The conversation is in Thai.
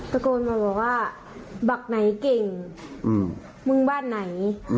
ตะโกนมาบอกว่าบักไหนเก่งมึงบ้านไหน